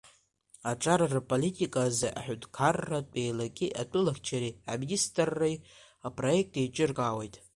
Аҿар рполитика азы Аҳәынҭқарратә еилаки атәылахьчара Аминистрреи апроект еиҿыркаауеит.